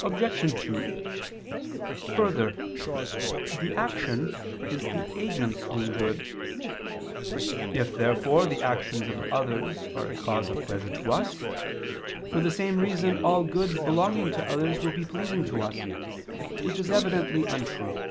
Obj. 2: Further, the action is the agent's own good. If, therefore, the actions of others are a cause of pleasure to us, for the same reason all goods belonging to others will be pleasing to us: which is evidently untrue.